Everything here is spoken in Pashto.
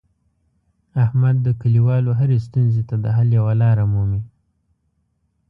احمد د کلیوالو هرې ستونزې ته د حل یوه لاره مومي.